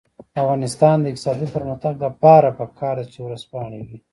د افغانستان د اقتصادي پرمختګ لپاره پکار ده چې ورځپاڼې وي.